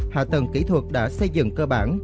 hạ tầng kỹ thuật đã xây dựng cơ bản